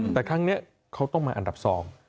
แต่ครั้งนี้เขาต้องมาอันดับ๒